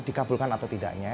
dikabulkan atau tidaknya